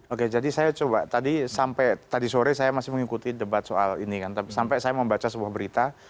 oke jadi saya coba tadi sampai tadi sore saya masih mengikuti debat soal ini kan sampai saya membaca sebuah berita